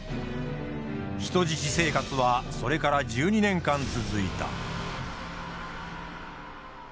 人質生活はそれから１２年間続いた。